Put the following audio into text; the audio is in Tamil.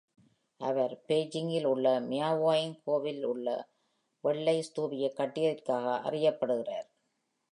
அவர் பெய்ஜிங்கில் உள்ள மியாவோயிங் கோவிலில் வெள்ளை ஸ்தூபியைக் கட்டியதற்காக அறியப்படுகிறார்.